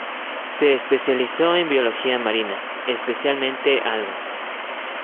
Se especializó en biología marina, especialmente algas.